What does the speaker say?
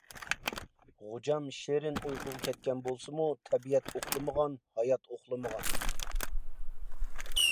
غوجام شېرىن ئۇيقۇغا كەتكەن بولسىمۇ... تەبىئەت ئۇخلىمىغان، ھايات ئۇخلىمىغان،